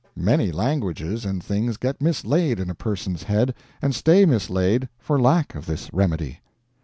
Many languages and things get mislaid in a person's head, and stay mislaid for lack of this remedy.